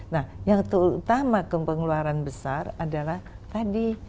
nah yang terutama ke pengeluaran besar adalah tadi